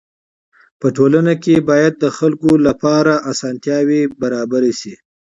په ټولنه کي باید د خلکو لپاره اسانتياوي برابري سي.